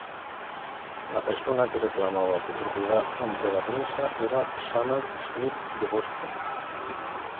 La persona que reclamaba su propiedad ante la prensa era Sumner Smith de Boston.